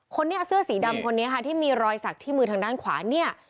คนนี้เสื้อสีดำคนนี้ค่ะที่มีรอยสักที่มือทางด้านขวาเนี่ย